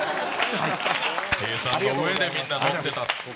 計算の上でみんなのってた。